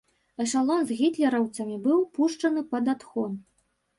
Эшалон з гітлераўцамі быў пушчаны пад адхон.